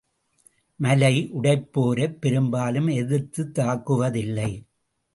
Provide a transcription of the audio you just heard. மலை, உடைப்போரைப் பெரும்பாலும் எதிர்த்துத் தாக்குவதில்லை.